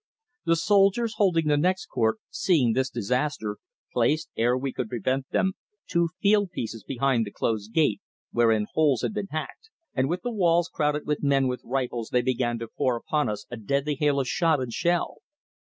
The soldiers holding the next court, seeing this disaster, placed, ere we could prevent them, two field pieces behind the closed gate wherein holes had been hacked, and with the walls crowded with men with rifles they began to pour upon us a deadly hail of shot and shell.